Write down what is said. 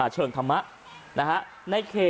เฉิงธรรมะนะฮะ